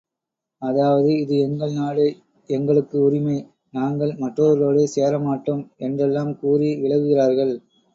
அதாவது, இது எங்கள் நாடு எங்களுக்கு உரிமை, நாங்கள் மற்றவர்களோடு சேர மாட்டோம் என்றெல்லாம் கூறி விலகுகிறார்கள்.